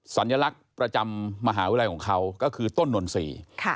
สัญลักษณ์ประจำมหาวิทยาลัยของเขาก็คือต้นนนทรีย์